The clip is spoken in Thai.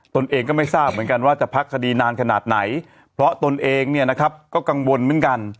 ตนเองก็ไม่ทราบเหมือนกันว่าจะพักคดีนานขนาดไหนเพราะตนเองเนี่ยนะครับก็กังวลเหมือนกัน